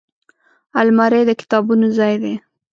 الماري د کتابونو ځای دی